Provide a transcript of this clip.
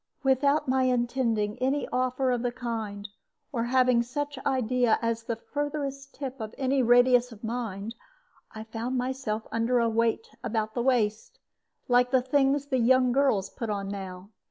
Without my intending any offer of the kind, or having such idea at the furthest tip of any radius of mind, I found myself under a weight about the waist, like the things the young girls put on now.